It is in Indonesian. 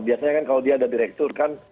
biasanya kan kalau dia ada direktur kan